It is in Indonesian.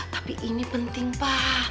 tapi ini penting pa